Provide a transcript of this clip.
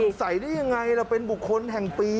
ใช่ใส่ได้อย่างไรเราเป็นบุคคลแห่งปี